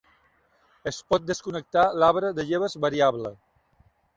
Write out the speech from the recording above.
Es pot desconnectar l'arbre de lleves variable.